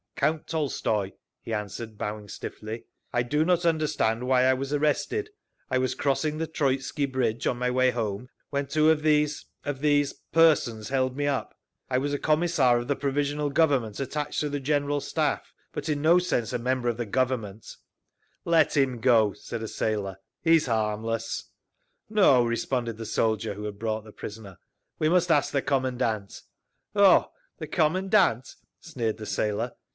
"Count Tolstoy," he answered, bowing stiffly. "I do not understand why I was arrested. I was crossing the Troitsky Bridge on my way home when two of these—of these—persons held me up. I was a Commissar of the Provisional Government attached to the General Staff, but in no sense a member of the Government…" "Let him go," said a sailor. "He's harmless…." "No," responded the soldier who had brought the prisoner. "We must ask the commandant." "Oh, the commandant!" sneered the sailor.